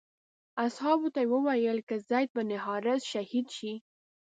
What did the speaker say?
اصحابو ته یې وویل که زید بن حارثه شهید شي.